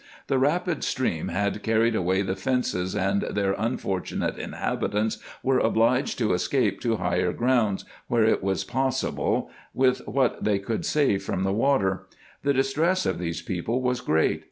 The rapid stream had carried away the fences, and their unfortunate inhabitants Avere obliged to escape to higher grounds, where it was possible, with what they could save from the water. The distress of these people was great.